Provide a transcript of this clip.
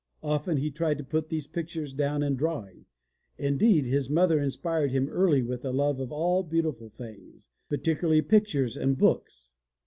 Often he tried to put these pictures down in drawing. Indeed, his mother inspired him early with a love of all beautiful things — particularly pictures and books.